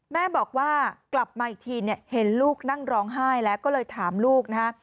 แม่บอกว่ากลับมาอีกทีเนี่ยเห็นลูกนั่งร้องไห้แล้วก็เลยถามลูกนะฮะ